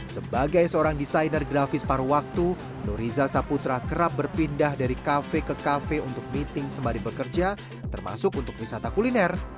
sebagai seorang desainer grafis paru waktu nur riza saputra kerap berpindah dari kafe ke kafe untuk meeting sembari bekerja termasuk untuk wisata kuliner